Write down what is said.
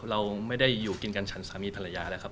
เราไม่ได้อยู่กินกันฉันสามีภรรยาแล้วครับ